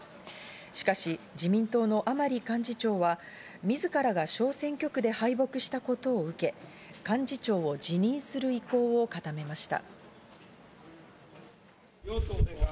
しかし自民党の甘利幹事長は自らが小選挙区で敗北したことを受け、幹事長を辞任する意向を固めました。